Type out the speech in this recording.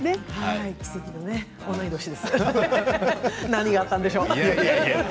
何があったんでしょうね。